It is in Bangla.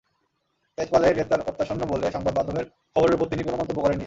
তেজপালের গ্রেপ্তার অত্যাসন্ন বলে সংবাদমাধ্যমের খবরের ওপর তিনি কোনো মন্তব্য করেননি।